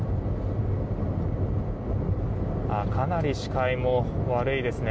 かなり視界も悪いですね。